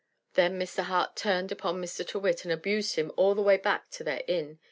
Then Mr. Hart turned upon Mr. Tyrrwhit, and abused him all the way back to their inn.